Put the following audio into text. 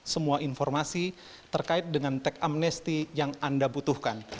semua informasi terkait dengan teks amnesty yang anda butuhkan